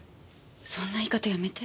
そんな言い方やめて。